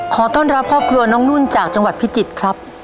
ขอต้อนรับครอบครัวน้องนุ่นจากจังหวัดพิจิตรครับ